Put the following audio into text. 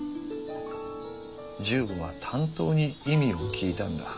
十五は担当に意味を聞いたんだ。